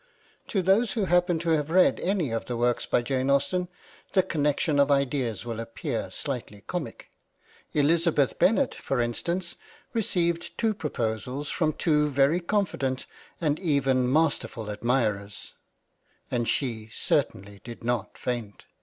To those who happen to have read any of the works of Jane Austen, the connection of ideas will appear slightly comic. Elizabeth Bennet, for instance, received two proposals from two very confident and even masterful admirers ; and she certainly did not faint.